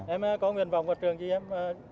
em có nguyện vọng vào trường gì em